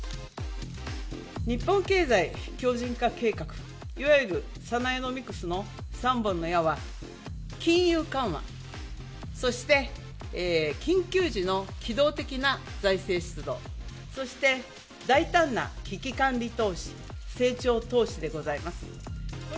日本経済強じん化計画、いわゆるサナエノミクスの３本の矢は、金融緩和、そして緊急時の機動的な財政出動、そして大胆な危機管理投資、成長投資でございます。